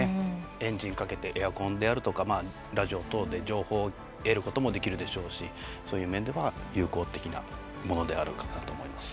エンジンかけてエアコンであるとかラジオ等で情報を得ることもできるでしょうしそういう面では有効的なものであるかなと思います。